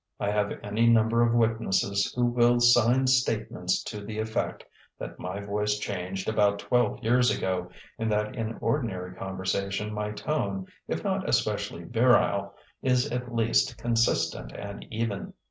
I have any number of witnesses who will sign statements to the effect that my voice changed about twelve years ago, and that in ordinary conversation my tone, if not especially virile, is at least consistent and even.